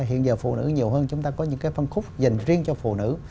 hiện giờ phụ nữ nhiều hơn chúng ta có những cái phân khúc dành riêng cho phụ nữ